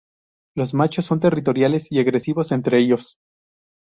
Los machos son territoriales y agresivos entre ellos.